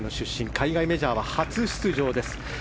海外メジャーは初出場です。